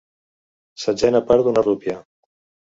Setzena part d'una rúpia.